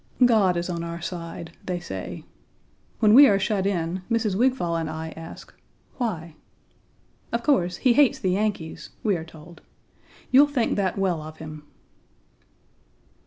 "God is on our side," they say. When we are shut in Mrs. Wigfall and I ask "Why?" "Of course, He hates the Yankees, we are told. You'll think that well of Him."